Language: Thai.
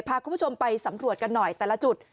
พาคุณผู้ชมไปสำรวจกันหน่อยแต่ละจุด